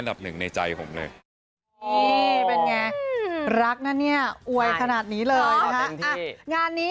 กับคนที่ชอบกี่รอบก็ได้